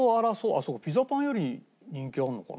あそうかピザパンより人気あるのかな？